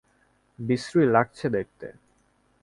বিশ্রী লাগছে দেখতে।